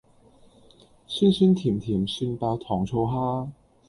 酸酸甜甜蒜爆糖醋蝦